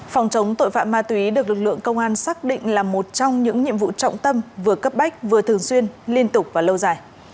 phòng chống tội phạm ma túy được lực lượng công an xác định là một trong những nhiệm vụ trọng tâm vừa cấp bách vừa thường xuyên liên tục và lâu dài